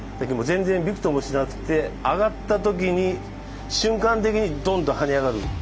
全然びくともしなくて上がった時に瞬間的にドンと跳ね上がる。